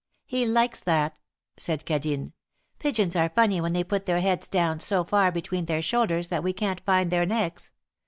"He likes that!" said Cadine. "Pigeons are funny when they put their heads down so far between their shoulders that we can't find their necks."